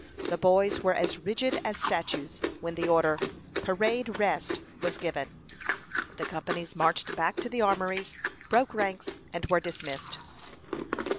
The boys were as rigid as statues when the order, "Parade rest," was given. The companies marched back to the armories, broke ranks, and were dismissed.